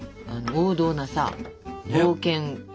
王道な冒険。